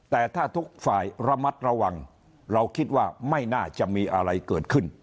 แต่ถ้าทุกฝ่ายระมัดระวังเราคิดว่าไม่น่าจะมีอะไรเกิดขึ้น